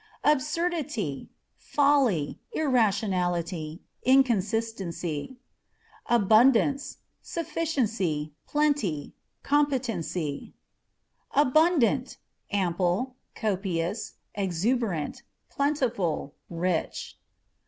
Absurdity â€" folly, irratidhality, inconsistency. Abundance) â€" sufficiency, plenty, competency. Abundant â€" ample, copious, exuberant, plentiful, rich.